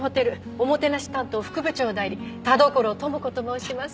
おもてなし担当副部長代理田所智子と申します。